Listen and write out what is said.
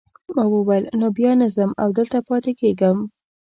ما وویل نو بیا نه ځم او دلته پاتې کیږم.